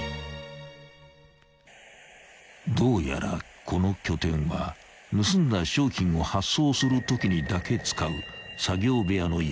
［どうやらこの拠点は盗んだ商品を発送するときにだけ使う作業部屋のようだ］